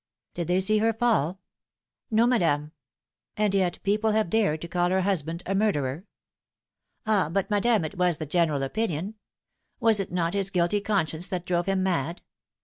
" Did they see her fall ?"" No, madame." " And yet people have dared to call her husband a mur derer." " Ah, but, madame, it was the general opinion. Was it not his guilty conscience that drove him mad